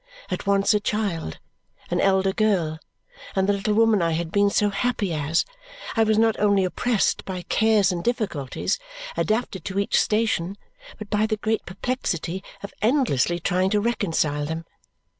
At once a child, an elder girl, and the little woman I had been so happy as, I was not only oppressed by cares and difficulties adapted to each station, but by the great perplexity of endlessly trying to reconcile them.